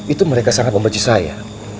itu mereka sangat membenci saya